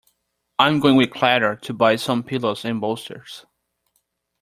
I'm going with Clara to buy some pillows and bolsters.